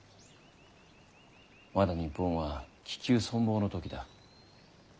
まだ日本は危急存亡のときだ。